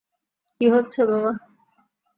কী ইচ্ছা, বাবা?